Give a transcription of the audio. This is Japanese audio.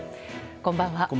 こんばんは。